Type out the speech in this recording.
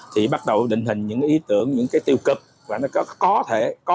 thì bắt đầu định hình những ý tưởng những tiêu cực